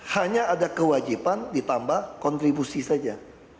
hanya ada kewajiban ditambah kontribusi saja